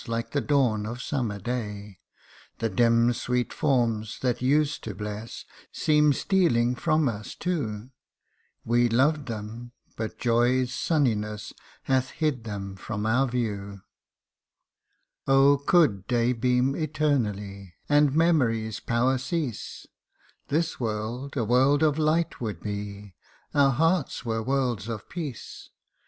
Like the dawn of summer day : The dim sweet forms that used to bless, Seem stealing from us too ; We loved them but joy's sunniness Hath hid fhem from our view ! Oh could day beam eternally, And Memory's power cease, This world, a world of light would be, Our hearts were worlds of peace : 188 AS WHEN FROM DREAMS AWAKING.